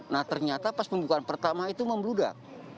nah ternyata pas pembukaan pertama itu membludak